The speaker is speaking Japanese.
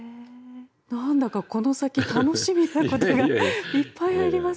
何だかこの先楽しみなことがいっぱいありますね。